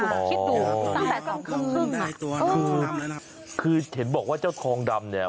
คิดดูตั้งแต่สองครึ่งคือฉันบอกว่าเจ้าทองดำเนี่ย